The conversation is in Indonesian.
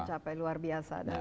mencapai luar biasa